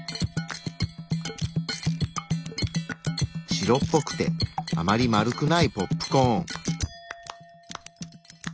白っぽくてあまり丸くないポップコーン。